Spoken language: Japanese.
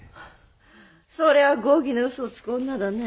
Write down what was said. そりゃ豪気な嘘をつく女だね。